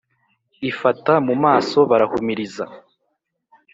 Ifata mu maso barahumiriza!